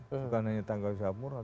bukan hanya tanggung jawab moral